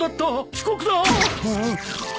遅刻だ！